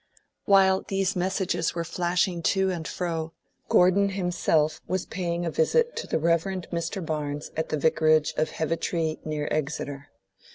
While these messages were flashing to and fro, Gordon himself was paying a visit to the Rev. Mr. Barnes at the Vicarage of Heavitree, near Exeter.